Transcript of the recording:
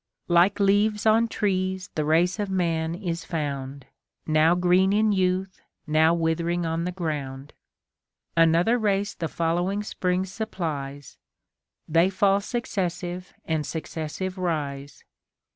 Like leaves on trees the race of man is found, Now green in youth, now withering on the ground ; Another race the following spring supplies ; They fall successive, and successive rise.